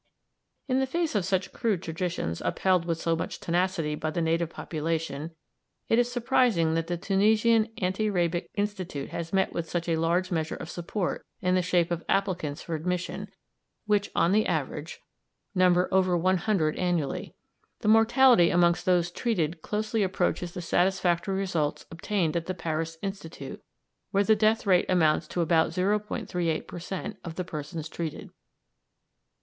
In the face of such crude traditions upheld with so much tenacity by the native population, it is surprising that the Tunisian Anti rabic Institute has met with such a large measure of support in the shape of applicants for admission, which, on an average, number over one hundred annually. The mortality amongst those treated closely approaches the satisfactory results obtained at the Paris Institute, where the death rate amounts to about 0·38 per cent. of the persons treated.